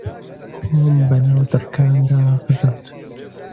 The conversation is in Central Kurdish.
خۆم بە ناو دڕکاندا خزاند